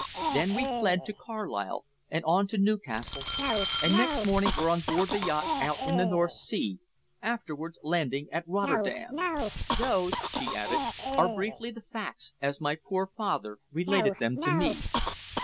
Then we fled to Carlisle and on to Newcastle, and next morning were on board the yacht out in the North Sea, afterwards landing at Rotterdam. Those," she added, "are briefly the facts, as my poor father related them to me."